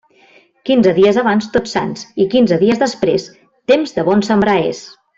Quinze dies abans Tots Sants i quinze dies després, temps de bon sembrar és.